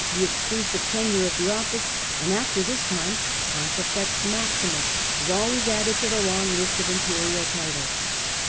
the exclusive tenure of the office, and after this time Pontifex Maximus was always added to the long list of imperial titles.